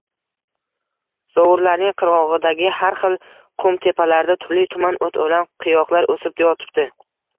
Zovurlarning qirgʻogʻidagi har xil qumtepalarda turli-tuman oʻt-oʻlan, qiyoqlar oʻsib yotibdi.